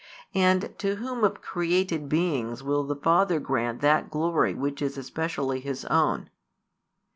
And to whom of created beings will the Father grant that glory which is especially His own?